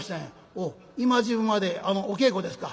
「おっ今時分まであのお稽古ですか」。